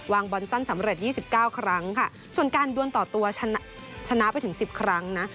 บอลสั้นสำเร็จ๒๙ครั้งค่ะส่วนการดวนต่อตัวชนะไปถึงสิบครั้งนะ